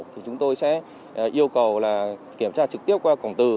thì chúng tôi sẽ yêu cầu là kiểm tra trực tiếp qua cổng từ